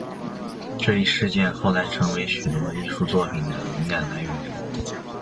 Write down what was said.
这一事件后来成为许多艺术作品的灵感来源。